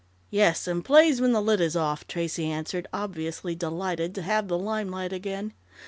"Yes, and plays when the lid is off," Tracey answered, obviously delighted to have the limelight again.